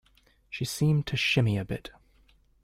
She seemed to shimmy a bit.